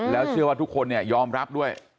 แล้วเชื่อว่าทุกคนเนี่ยยอมรับด้วย